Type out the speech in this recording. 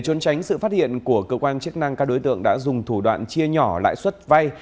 trốn tránh sự phát hiện của cơ quan chức năng các đối tượng đã dùng thủ đoạn chia nhỏ lãi suất vay